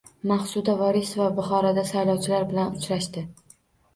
Maqsuda Vorisova Buxoroda saylovchilar bilan uchrashdi